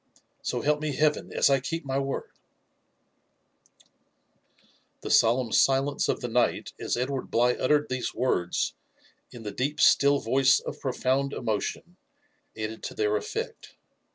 So help me Heaven as I keep my word I" The solemn silence of the night as Edward Bligh uttered these words in the deep still yoice of profound emotion added to their effect.